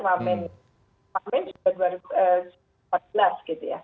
wamen sudah dua ribu empat belas gitu ya